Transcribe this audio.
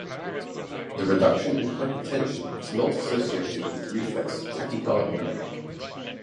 The reduction in hypertension is not associated with reflex tachycardia.